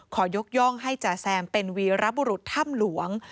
ขอยกย่องให้จ่าแซมเป็นวีรบุรุษถ้ำหลวง